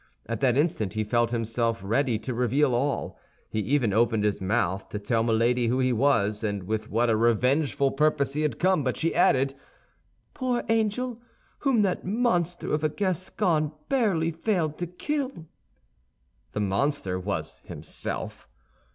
At that instant he felt himself ready to reveal all. He even opened his mouth to tell Milady who he was, and with what a revengeful purpose he had come; but she added, "Poor angel, whom that monster of a Gascon barely failed to kill." The monster was himself.